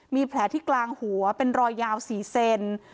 มีแผลที่กลางหัวเป็นรอยยาว๔เซน